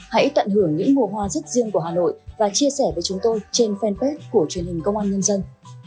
hãy tận hưởng những mùa hoa rất riêng của hà nội và chia sẻ với chúng tôi trên fanpage của truyền hình công an nhân dân